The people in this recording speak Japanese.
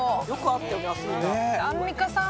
アンミカさん